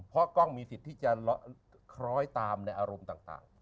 เพราะกล้องมีสิทธิ์ที่จะคล้อยตามในอารมณ์ต่าง